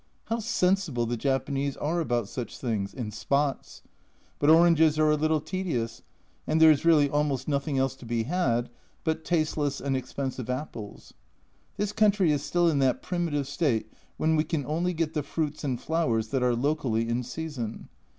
How sensible the Japanese are about such things in spots ! But oranges are a little tedious, and there is really almost nothing else to be had but tasteless and expensive apples. This country is still in that primitive state when we can only get the fruits and flowers that are locally in season.